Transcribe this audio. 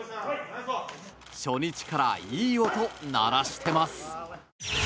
初日からいい音鳴らしてます。